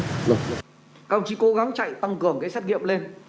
các ông chí cố gắng chạy tăng cường cái xét nghiệm lên